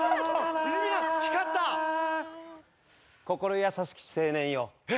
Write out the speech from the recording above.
心優しき青年よ。